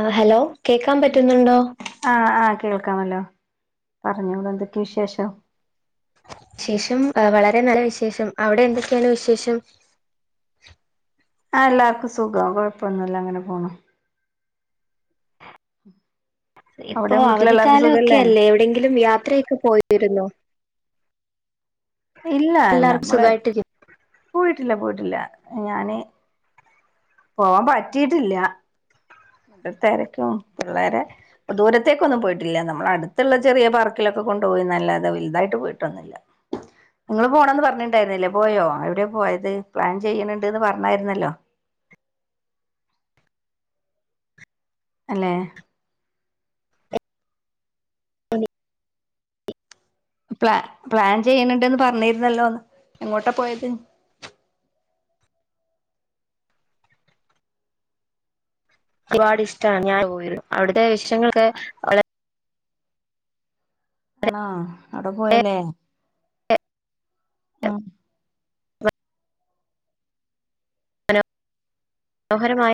ആഹ് hello കേക്കാൻ പറ്റുന്നുണ്ടോ ആഹ് ആഹ് കേൾക്കാമല്ലോ പറഞ്ഞോളു എന്തൊക്കെ വിശേഷം വിശേഷം വളരെ നല്ല വിശേഷം അവിടെ എന്തൊക്കെയാണ് വിശേഷം ആഹ് എല്ലാവർക്കും സുഖം കുഴപ്പമൊന്നുംല്ലാ അങ്ങനെ പോകുന്നു ഇപ്പോ അവിടെ വീട്ടിലെല്ലാർക്കും അവധിക്കാലം സുഖല്ലേ ഒക്കെല്ലെ എവിടെങ്കിലും യാത്രയൊക്കെ പോയിരുന്നോ ഇല്ല എല്ലാവർക്കും നമ്മള് സുഖമായിട്ടിരി പോയിട്ടില്ല പോയിട്ടില്ല ഞാന് പോവാൻ പറ്റിട്ടില്ല തെരക്കോ പിള്ളെരെ ദൂരത്തേക്കൊന്നും പോയിട്ടില്ല നമ്മള് അടുത്തുള്ള ചെറിയ പാർക്കിലൊക്കെ കൊണ്ടു പോയിന്നല്ലാതെ വലുതായിട്ട് പോയിട്ടൊന്നില്ല [inaudible] ഇങ്ങള് പോണന്ന് പറഞ്ഞിട്ടുണ്ടായിരുന്നില്ലേ പോയോ എവിടെ പോയത് പ്ലാൻ ചെയ്യുന്നുണ്ട് എന്ന് പറഞ്ഞായിരുന്നല്ലോ അല്ലേ പ്ലാ പ്ലാൻ ചെയ്യണണ്ടന്ന് പറഞ്ഞിരുന്നല്ലോന്ന് എങ്ങോട്ടാ പോയത് ഒരുപാട് ഇഷ്ടമാണ് ഞാൻ [unintelligible] അവിടത്തെ വിഷങ്ങളൊക്കെ വള ആണോ അവിടെ പോയല്ലേ ആഹ് മനോഹരമായ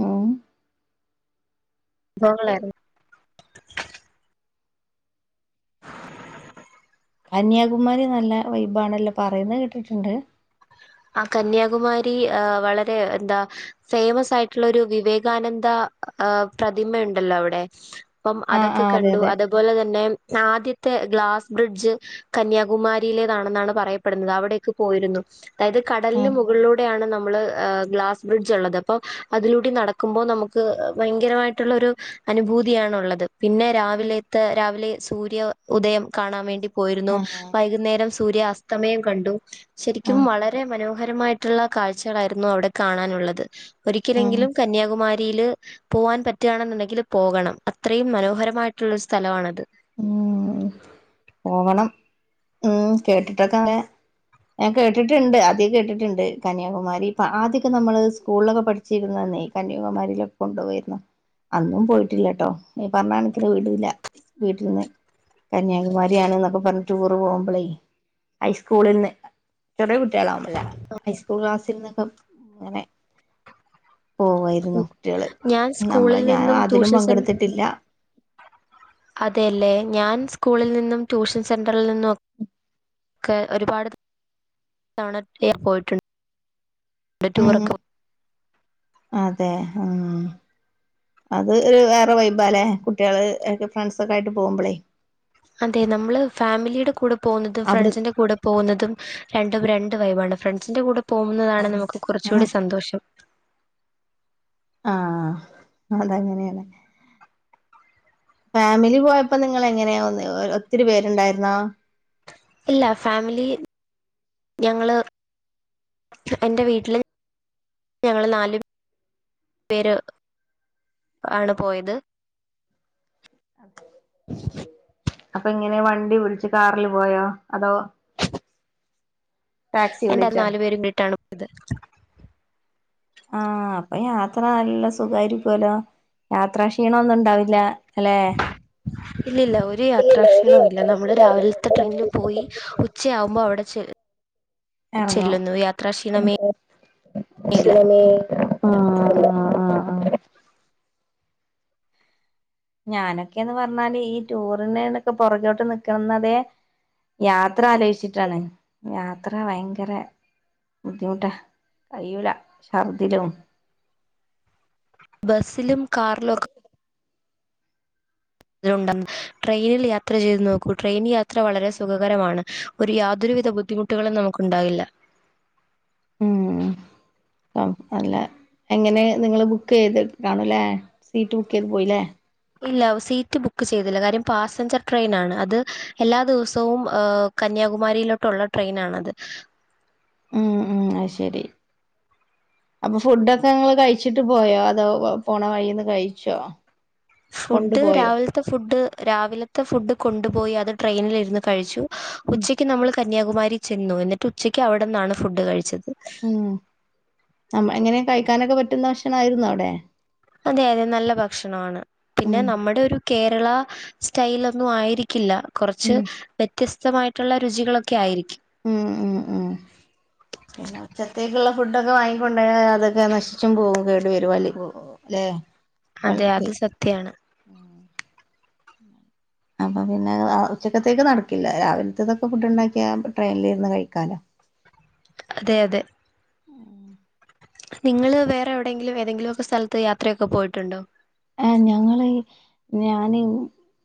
ഉം അനുഭവങ്ങളായിരുന്നു കന്യാകുമാരി നല്ല വൈബാണല്ലോ പറയുന്നത് കേട്ടിട്ടുണ്ട് ആഹ് കന്യാകുമാരി ആഹ് വളരെ എന്താ ഫേയ്മസ് ആയിട്ടുള്ളൊരു വിവേകാനന്ദ ആഹ് പ്രതിമ ഉണ്ടല്ലോ അവിടെ അപ്പം ആ ആ അതൊക്കെ അതെ കണ്ടു അതെ അതുപോലെ തന്നെ ആദ്യത്തെ ഗ്ലാസ് ബ്രിഡ്ജ് കന്യാകുമാരിയിലേതാണെന്നാണ് പറയപ്പെടുന്നത് അവിടെേക്കെ പോയിരുന്നു അതായത് ആ കടലിന് മുകളിലൂടെയാണ് നമ്മള് ആഹ് ഗ്ലാസ് ബ്രിഡ്ജ് ഉള്ളത് അപ്പൊ അതിലൂടി നടക്കുമ്പോൾ നമുക്ക് ഭയങ്കരമായിട്ടുള്ളരു അനുഭൂതിയാണുള്ളത് പിന്നെ രാവിലെത്തെ രാവിലെ സൂര്യോ ഉദയം കാണാൻ വേണ്ടി പോയിരുന്നു ആ വൈകുന്നേരം സൂര്യ അസ്തമയം കണ്ടു ആ ആ ശരിക്കും വളരെ മനോഹരമായിട്ടുള്ള കാഴ്ചകളായിരുന്നു അവിടെ കാണാനുള്ളത് ആ ഒരിക്കലെങ്കിലും കന്യാകുമാ രിയില്‌ പോവാൻ പറ്റുകയാണെന്നുണ്ടെങ്കിൽ പോകണം അത്രയും മനോഹരമായിട്ടുള്ള ഒരു സ്ഥലമാണത് ഉം പോകണം ഉം കേട്ടിട്ടൊക്കെ അങ്ങനെ ഞാൻ കേട്ടിട്ടുണ്ട് ആദ്യം കേട്ടിട്ടുണ്ട് കന്യാകമാരി ഇപ്പ ആദ്യൊക്കെ നമ്മള് സ്കൂളിലൊക്കെ പഠി ച്ചിരുന്ന അന്നെ കന്യാകുമാരിലൊക്കെ കൊണ്ടു പോയിരുന്നു അന്നും പോയിട്ടില്ലട്ടോ ഈ പറഞ്ഞ കണക്കിന്‌ വിടൂല വീട്ടിൽന്ന് കന്യാകുമാരി ആണ് എന്നൊക്കെ പറഞ്ഞ ടൂറ് പോകുമ്പളേയ് ഹൈസ്കൂളിൽന്ന് ചെറിയ കു ട്ടിയാളൊന്നും ഇല്ല ഹൈസ്കൂൾ ക്ലാസ്സിൽന്നൊക്കെ അങ്ങനെ പോവായിരുന്നു കുട്ടികള് ഞാൻ നമ്മള് സ്കൂളിൽ ഞാൻ നിന്നും അതിലും ട്യൂഷൻ പങ്കെടുത്തിട്ടില്ല അതെയല്ലേ ഞാൻ സ്കൂളിൽ നിന്നും ട്യൂഷൻ സെന്ററിൽ നിന്നും ക്കെ ഒരുപാട് തവണ പോയിട്ടുണ്ട് ഉം ടൂറൊക്കെ അതെ ആഹ് അത് വേറെ വൈബാലെ കുട്ടികള് ഫ്രണ്ട്സൊക്കെ ആയിട്ട് പോകുമ്പളേ അതെ നമ്മള് ഫാമിലിയുടെ കൂടെ പോന്നതും അവിടെ ഫ്രണ്ട്സിന്റെ കൂടെ പോ പോകുന്നതും രണ്ടും രണ്ട് വൈബാണ് ഫ്രണ്ട്സിന്റെ കൂടെ പോകുന്നതാണ് നമുക്ക് കുറച്ച് ആ കൂടി സന്തോഷം ആഹ് അതങ്ങനെയാണ് ഫാമിലി പോയപ്പോ നിങ്ങള് എങ്ങനെയ ഒത്തിരി പേരുണ്ടായിരുന്നോ ഇല്ല ഫാമിലി ഞങ്ങള് എന്റെ വീട്ടില് ഞങ്ങള് നാല് പേര് ആണ് പോയത് [inaudible] അപ്പൊ എങ്ങനെ വണ്ടി വിൾച് കാറിൽ പോയോ അതോ ടാക്സി എന്റെ അത് വിളിച്ചോ നാലു പേരും [unintelligible] ട്ടാണ് പോയത് ആഹ് അപ്പൊ യാത്ര നല്ല സുഖമായിരിക്കുവല്ലോ യാത്രക്ഷീണം ഒന്നും ഇണ്ടാവില്ല ഇല്ലില്ല ഒരു ഇല്ലില്ല ഒരു യാത്രാക്ഷീണവും ഇല്ല നമ്മള് യാത്രാക്ഷീണവുമില്ല രാവിലെ ത്തെ നമ്മുടെ ട്രെയിനിൽ രാവിലത്തെ പോയി പണി ഉച്ചയാകുമ്പോൾ അവിടെ ചെ ചെല്ലുന്നു ഇറങ്ങും യാത്രാക്ഷീണമേ ശിവനെ ആഹ് ഇല്ല ആഹ് ആഹ് ആഹ് ആഹ് ഞാനൊക്കെയന്ന് പറഞ്ഞാല് ഈ ടൂറിന്ന്നൊക്കെ പുറകോട്ട് നിക്കുന്നതേ യാത്ര ആലോചിച്ചിട്ടാണ് യാത്ര ഭയങ്കര ബുദ്ധിമുട്ടാ കയ്യൂല ഛർദിലും ബസ്സിലും കാറിലൊക്കെ തിലുണ്ടെന്ന് ട്രെയിനിൽ യാത്ര ചെയ്തു നോക്കൂ ട്രെയിൻ യാത്ര വളരെ സുഖകരമാണ് ഒരു യാതൊരുവിധ ബുദ്ധിമുട്ടുകളും നമുക്കുണ്ടാവില്ല അം നല്ലെ എങ്ങനെ നിങ്ങൾ ബുക്ക് ചെയ്ത് കാണു ലേ സീറ്റ് ബുക്ക് ചെയ്ത് പോയിലെ ഇല്ല സീറ്റ് ബുക്ക് ചെയ്തില്ല കാര്യം പാസഞ്ചർ ട്രെയിനാണ് അത് എല്ലാ ദിവസവും ഏ കന്യാകുമാരിയിലോട്ടുള്ള ട്രെയിനാണത് ഉം ഉം അത് ശെരി അപ്പൊ ഫുഡൊക്കെ ങ്ങള് കഴിച്ചിട്ട് പോയോ അതോ പോണ വഴിന്ന് കഴിച്ചോ ഫുഡ് കൊണ്ടുപോയോ രാവിൽത്തെ ഫുഡ് രാവിലത്തെ ഫുഡ് കൊണ്ടുപോയി അത് ട്രെയിനിലിരുന്ന് കഴിച്ചു ഉം ഉച്ചയ്ക്ക് നമ്മള് കന്യാകുമാരി ചെന്നു എന്നിട്ട് ഉച്ചക്ക് അവ്ട്ന്നാണ് ഫുഡ് കഴിച്ചത് ആഹ് നമ എങ്ങനെ കഴിക്കാനൊക്കെ പറ്റുന്ന ഭക്ഷണായിരുന്നോ അവടെ അതെ അതെ നല്ല ഭക്ഷണാണ് പിന്നെ ഉം നമ്മുടെ ഒരു കേരള സ്റ്റൈലൊന്നും ആയിരിക്കില്ല കൊർച്ച് ഉം വ്യത്യസ്തമായിട്ടുള്ള രുചികളൊക്കായിരിക്കും ഉം ഉം ഉം പിന്നെ ഉച്ചത്തേക്കുള്ള ഫുഡൊക്കെ വാങ്ങിക്കൊണ്ടയാ അതൊക്കെ നശിച്ചും പോം കേട് വെരും [unintelligible] ല്ലേ അതെ അത് സത്യാണ് അപ്പൊ പിന്നെ ഉച്ചക്കത്തേക്ക് നടക്കില്ല രാവിൽത്തേതൊക്ക ഫുഡ്‌ ണ്ടാക്യാ ട്രെയിനിലിര്ന്ന് കഴിക്കാലോ അതെ അതെ നിങ്ങള് വേറെവെടെങ്കിലും ഏതെങ്കിലൊക്കെ സ്ഥലത്ത് യാത്രയൊക്കെ പോയിട്ടുണ്ടോ ആഹ് ഞങ്ങള് ഞാന്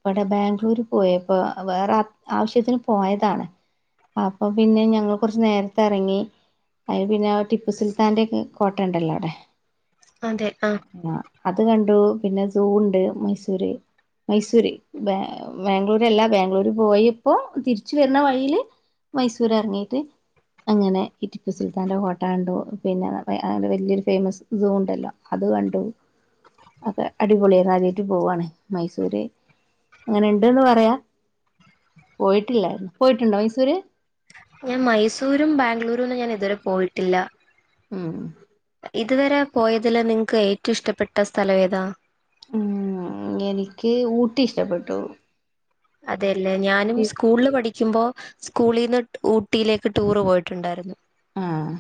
വടെ ബാംഗ്ലൂര് പോയേക്ക്വ വേറെ ആവശ്യത്തിന് പോയത അപ്പൊ പിന്നെ ഞങ്ങള് കൊർച്ച് നേര്ത്തെറങ്ങി അത് പിന്നെ ടിപ്പു സുൽത്താന്റെക്കെ കോട്ടണ്ടല്ലോ അവടെ അതെ ആ ആഹ് അത് കണ്ടു പിന്നെ സൂ ണ്ട് മൈസൂര് മൈസൂര് ബ ബാംഗ്ലൂര്ല്ല ബാംഗ്ലൂര് പോയപ്പോ തിരിച്ച് വെര്ണ വഴീല് മൈസൂരെർങ്ങിട്ട് അങ്ങനെ ടിപ്പു സുൽത്താന്റെ കോട്ട കണ്ടു പിന്നെ അവടെ വെല്യോരു ഫെയ്മസ് സൂ ണ്ടല്ലോ അത് കണ്ടു അതെ അടിപൊളിയാണ് അനിയത്തി പോവാണ് മൈസൂര് അങ്ങനെ ഇണ്ട് ന്ന് പറയാ പോയിട്ടില്ല പോയിട്ട്ണ്ടോ മൈസൂര് ഞാൻ മൈസൂരും ബാംഗ്ലൂരൊന്നും ഞാൻ ഇതുവരെ പോയിട്ടില്ല ഉം ഇതുവരെ പോയതില് നിങ്ങക്ക് ഏറ്റവും ഇഷ്ടപ്പെട്ട സ്ഥലം ഏതാ ഉം എനിക്ക് ഊട്ടി ഇഷ്ടപ്പെട്ടു അതെല്ലേ ഞാനും ഊട്ടി സ്കൂൾ ല് പഠി ക്കുമ്പോ സ്കൂളിന്ന് ഊട്ടിയിലേക്ക് ടൂറ് പോയിട്ടുണ്ടാര്ന്നു ആഹ്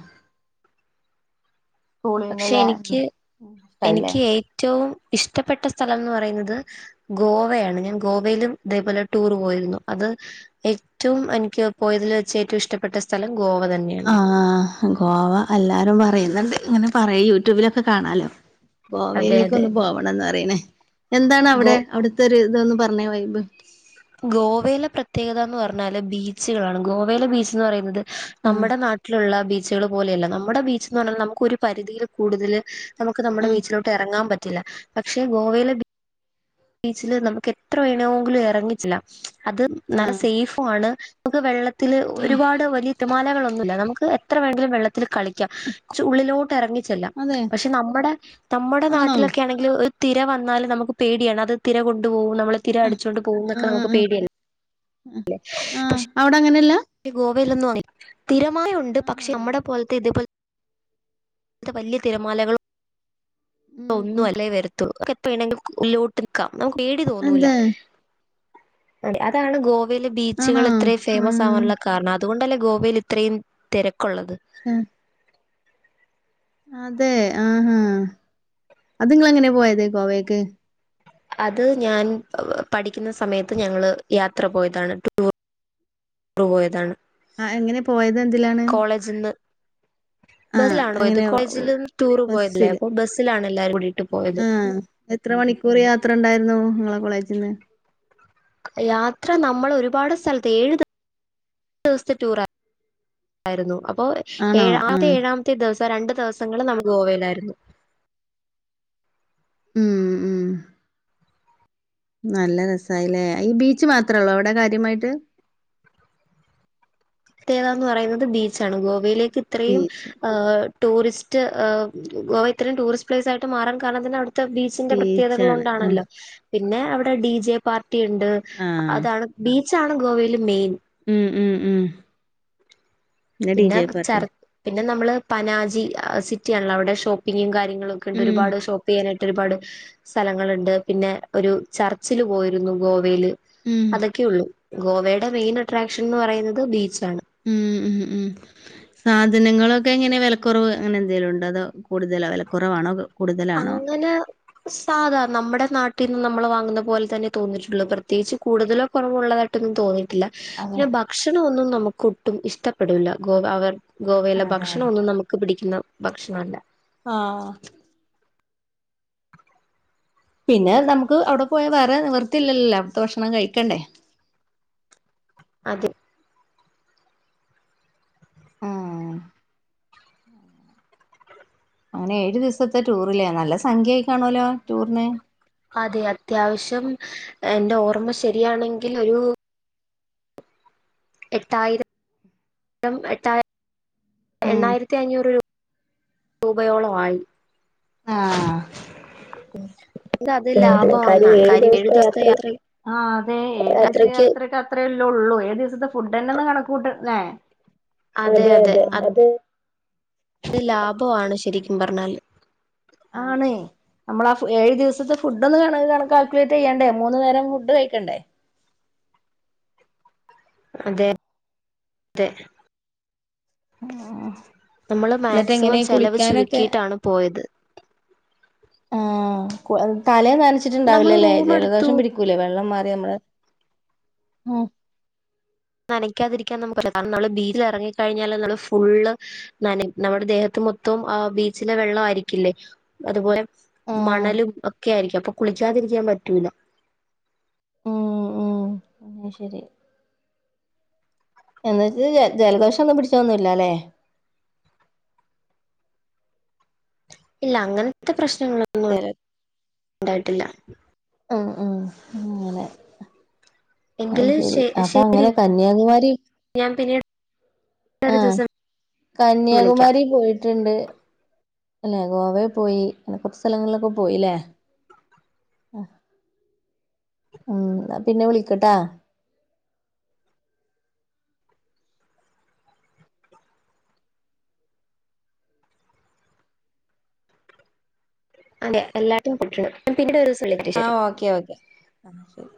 പക്ഷെ സ്കൂളിൽന്നല്ലേ എനിക്ക് ഇഷ്ടായില്ലേ എനിക്ക് ഏറ്റവും ഇഷ്ടപ്പെട്ട സ്ഥലം ന്ന് പറയുന്നത് ഗോവയാണ് ഞാൻ ഗോവയിലും ഇതേപോലെ ടൂർ പോയിരുന്നു അത് ഏറ്റവും എനിക്ക് പോയതിൽ വെച്ച് ഏറ്റവും ഇഷ്ടപ്പെട്ട സ്ഥലം ഗോവ തന്നെ ആഹ് ഗോവ എല്ലാരും പറയുന്നുണ്ട് ഇങ്ങനെ പറയ് യൂട്യൂബിലൊക്കെ കാണാലോ അതെ അതെ ഗോവയിലേക്കൊന്ന് പോവണംന്ന് പറയ്ണ് ഗോ എന്താണവടെ അവ്ട്ത്തൊരുതൊന്ന് പറഞ്ഞേ വൈബ് ഗോവയിലെ പ്രത്യേകതാന്ന് പറഞ്ഞാല് ബീച്ച്കളാണ് ഗോവയിലെ ബീച്ച്ന്ന് പറയുന്നത് ആഹ് നമ്മടെ നാട്ടിലുള്ള ബീച്ച്കള് പോലെയല്ല നമ്മുടെ ബീച്ച്ന്ന് പറഞ്ഞൽ നമുക്ക് ഒരു പരിധിയിൽ കൂടുതല് നമുക്ക് നമ്മടെ ആഹ് ബീച്ചിലോട്ട് ഇറങ്ങാൻ പറ്റില്ല പക്ഷേ ഗോവയിലെ ബീ ബീച്ചില് നമുക്ക് എത്ര വേണോങ്കിലും എറങ്ങി ചെല്ലാം അത് നല്ല ആഹ് സെയ്ഫും ആണ് നമുക്ക് വെള്ളത്തില് ഒരുപാട് വലിയ തിരമാലകളൊന്നുല്ല നമുക്ക് എത്ര വേണേലും വെള്ളത്തില് കളിക്കാം ച്ചു ഉള്ളിലോട്ട് എറങ്ങി ചെല്ലാം അതെ പക്ഷെ നമ്മുടെ നമ്മുടെ ആണോ നാട്ടിലൊക്കെ ആണെങ്കിൽ ഒരു തിര വന്നാൽ നമുക്ക് പേടിയാണ് അത് തിര കൊണ്ടു പോവും നമ്മള് തിര അടിച്ചോണ്ട് പോവൂന്നൊക്കെ ആഹ് നമുക്ക് ആഹ് പേടിയ ല്ലേ പക്ഷെ ആഹ് അവിടെ അങ്ങനെയല്ല പക്ഷേ ഗോവയിലൊന്നുംഅങ്ങനെ ഇല്ല തിരമാലയുണ്ട് ആഹാ പക്ഷെ നമ്മടെ പോലത്തെ ഇതുപോൽ ത്തെ വല്യെ തിരമാലകള് ഉം ഒന്നും ഉം അല്ലേ വെരത്തു നമുക്ക് വേണെങ്കിലും ഉള്ളിലോട്ടുനിക്കാം നമുക്ക് പേടി തോന്നൂല അതെ അതാണ് ഗോവ ഗോവയിലെ ആണോ ബീച്ചുകള് ഇത്രയും ഫെയ്മസ് ആഹ് ആവാനുള്ള കാരണം അതുകൊണ്ടല്ലേ ഗോവയില് ഇത്രയും തെരക്കുള്ളത്. ഉം അതെ ആഹാ അത് ഇങ്ങള് എങ്ങനെ പോയത് ഗോവേക്ക് അത് ഞാൻ പഠിക്ക്ന്ന സമയത്ത് ഞങ്ങള് യാത്ര പോയതാണ് ടൂ റു പോയതാണ് ആഹ് എങ്ങനെ പോയത് എന്തിലാണ് കോളേജ്ന്ന് ആഹ് ബസ്സിലാണ് പോയത് എങ്ങനെ കോളേജിന്ന് ടൂറ് പോയല്ലേ ബസ്സില് അപ്പൊ ബസ്സിലാണ് എല്ലാരും കൂടിട്ട് പോയത് ആഹ് എത്ര മണിക്കൂറ് യാത്ര ഇണ്ടായ്രുന്നു ഇങ്ങളെ കോളേജിന്ന് യാത്ര നമ്മൾ ഒരുപാട് സ്ഥലത്ത് ഏഴു ദി ദിവസ്ത്തെ ടൂർ ആയിരുന്നു അപ്പോ ആണോ ഏഴാമത്തെ ആഹ് ആകെ ഏഴാമത്തെ ദിവസം രണ്ടു ദിവസങ്ങളും നമ്മൾ ഗോവയിലായിരുന്നു ഉം ഉം നല്ല രസായില്ലേ ഈ ബീച്ച് മാത്രള്ളോ അവിടെ കാര്യമായിട്ട് പ്രത്യേകതാന്ന് പറയുന്നത് ബീച്ചാണ് ഗോവയിലേക്ക് ഇത്രയും ബീച്ച് എഹ് ടൂറിസ്റ്റ് ഗോവ ഇത്രയും ടൂറിസ്റ്റ് പ്ലേസ് ആയിട്ട് മാറാൻ കാരണം തന്നെ അവിട്ത്തെ ബീ ച്ചിന്റെ പ്രത്യേകതകൾ ബീച്ചാണ് ആഹ് കൊണ്ടാണല്ലോ പിന്നെ അവിടെ ഡി ജെ പാർട്ടി ഉണ്ട് ആഹ് അതാണ് ബീച്ചാണ് ഗോവേല് മെയിൻ ഉം ഉം ഉം ഡി പിന്നെ ജെ പാർട്ടി ചർ പിന്നെ നമ്മള് പനാജി സിറ്റിയാണല്ലോ അവിടെ ഷോപ്പിങ്ങും കാര്യങ്ങളും ക്കെണ്ട് ഉം ഒരുപാട് ഷോപ്പ് പ്പ് ചെയ്യാനായിട്ട് ഒരുപാട് സ്ഥലങ്ങള്ണ്ട് പിന്നെ ഒരു ചർച്ചില് പോയിരുന്നു ഗോവയില് ഉം അതൊക്കെയൊള്ളു ഗോവയുടെ മെയിൻ അട്രാക്ഷൻ എന്ന് പറയുന്നത് ബീച്ചാണ് ഉം ഉം ഉം ഉം സാധനങ്ങളൊക്കെ എങ്ങനെ വെലക്കുറവ് അങ്ങനെ എന്തേലും ഉണ്ടോ അതോ കൂടുതലോ വെലക്കൊറവാണോ അതോ അങ്ങനെ സാധാ നമ്മുടെ നാട്ടിൽ നിന്ന് നമ്മള് വാങ്ങുന്ന പോലെ തന്നെ തോന്നിട്ടുള്ളു പ്രത്യേകിച്ച് കൂടുതലോ കൊറവും ഉള്ളതായിട്ടൊന്നും തോന്നിയിട്ടില്ല അതെ പിന്നെ ഭക്ഷണ ഒന്നും നമുക്ക് ഒട്ടും ഇഷ്ടപ്പെടൂല്ല ഗോവ അവർ ഗോവയിലെ അതെ ഭക്ഷണ ഒന്നും നമ് ക്ക് പിടിക്കുന്ന ഭക്ഷണം അല്ല ആഹ്‌ ആഹ് പിന്നെ നമുക്ക് അവിടെ പോയാ വേറെ നിവർത്തിയില്ലല്ലാ അവിട്ത്തെ ഭക്ഷണം കഴിക്കണ്ടെ അത് ആ. അങ്ങനെ ഏഴ് ദിവസത്തെ ടൂറ്ല്ലേ നല്ല സംഖ്യ ആയിക്കാണല്ലോ ടൂറിന്. അതെ അത്യാവശ്യം എന്റെ ഓർമ്മ ശരിയാണെങ്കിൽ ഒരു എട്ടായിരം എട്ടാ ഉം എണ്ണായിരത്തി അഞ്ഞൂറ് രൂപയോളം ആയി. ആഹ്‌. ഉം പിന്നെ കാര്യം ഏഴ് ദിവസത്തെ യാത്ര ആ അതെ യാത്രയ്ക്ക് അത്രയ്ക്ക് അത്രല്ലേ ഒള്ളൂ ഏഴ് ദിവസത്തെ ഫുഡ്ന്നെ ഒന്ന് കണക്ക് കൂട്ടന്നേ അതെ അതെ അതെ. ലാഭാണ് ശരിക്കും പർഞ്ഞാല്. ആണ്. നമ്മള് ആ ഫു ഏഴ് ദിവസത്തെ ഫുടൊന്ന് കണക്കാ കണ കാൽക്കുലേറ്റ് ചെയ്യണ്ടേ മൂന്ന് നേരം ഫുഡ് കഴിക്കണ്ടേ? അതെ അതെ. ആഹ്‌ നമ്മള് മാക്സിമം ചെലവ് ചുരുക്കിട്ടാണ് പോയത്. ആ തലേ നമ്മള് നനച്ചിട്ട്ണ്ടാവില്ലല്ലേ റൂം എടുത്തു ജലദോഷം പിടി ക്കുലെ വെള്ളം മാറി നമ്മളെ ഉം. നനക്ക്യാതിരിക്കാൻ നമു കാരണം നമ്മള് ബീചിൽ ഇറങ്ങിക്കഴിഞ്ഞാല് നമ്മള് ഫുള്ള് നന നമ്മുടെ ദേഹത്ത് മൊത്തം ആ ബീച്ചിലെ വെള്ളം ആയിരിക്കില്ലേ അതുപോലെ ആഹ് മണലും ഒക്കെ ആയിരിക്കും അപ്പൊ കുളിക്ക്യാതിരിക്കാൻ പറ്റൂല. ഉം ഉം അയി ശരി. എന്നത് ജലദോഷം ഒന്നും പിടിച്ചൊന്നും ഇല്ലലേ. ഇല്ല അങ്ങൻത്തെ പ്രശ്നങ്ങളൊന്നും ജല ഉണ്ടായിട്ടില്ല. ഉം ഉം അങ്ങനെ അയ് എങ്കില് ശരി ശ അപ്പൊ ശരി അങ്ങനെ കന്യാകുമാരി ഞാൻ പിന്നെ ആഹ്‌ വിളിക്കാം കന്യാകുമാരി പോയി ട്ണ്ട് അല്ലെ ഗോവേ പോയി കൊർച്ച് സ്ഥലങ്ങളൊക്കെ പോയില്ലേ? ഉം ന്നാ പിന്നെ വിളിക്കട്ടാ. അതെ എല്ലാട്ത്തും പൊയ്ക്കോണം. പിന്നീടൊരൂസല്ലേ. ആഹ്‌ ഓക്കെ ഓക്കെ ശരി.